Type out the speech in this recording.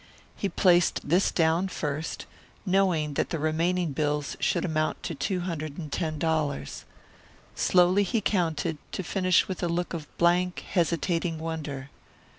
He placed this down first, knowing that the remaining bills should amount to two hundred and ten dollars. Slowly he counted, to finish with a look of blank, hesitating wonder.